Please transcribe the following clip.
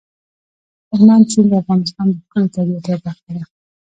هلمند سیند د افغانستان د ښکلي طبیعت یوه برخه ده.